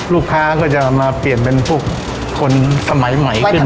ลูกค้าก็จะมาเปลี่ยนเป็นพวกคนสมัยใหม่ขึ้น